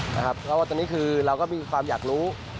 เพราะว่าตอนนี้คือเราก็มีความอยากรู้